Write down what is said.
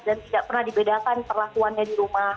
tidak pernah dibedakan perlakuannya di rumah